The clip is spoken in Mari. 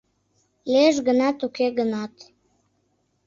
Лиеш гынат, уке гынат